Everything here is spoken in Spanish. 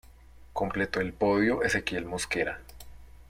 Completó el podio Ezequiel Mosquera.